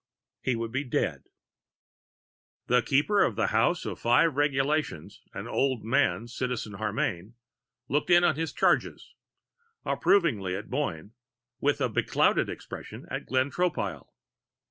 He would be dead. The Keeper of the House of Five Regulations, an old man, Citizen Harmane, looked in on his charges approvingly at Boyne, with a beclouded expression at Glenn Tropile.